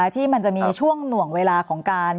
ที่มันจะมีช่วงหน่วงเวลาของการ